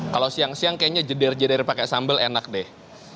kalau siang siang kayaknya jedir jedar pakai sambal enak deh